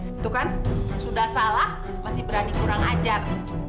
itu kan sudah salah masih berani kurang ajar